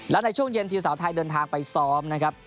และในช่วงเย็นทีมสาวไทยเดินทางไปซ้อมนะครับ